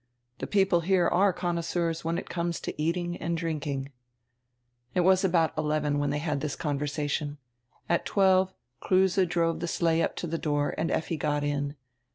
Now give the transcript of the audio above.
The people here are connoisseurs when it comes to eating and drinking." It was about eleven when they had this conversation. At twelve Kruse drove the sleigh up to the door and Effi got in.